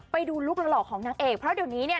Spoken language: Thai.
ลุคหล่อของนางเอกเพราะเดี๋ยวนี้เนี่ย